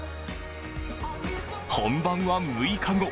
本番は６日後。